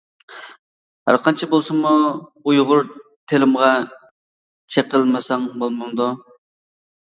ھەرقانچە بولسىمۇ ئۇيغۇر تىلىمغا چېقىلمىساڭ بولمامدۇ؟ .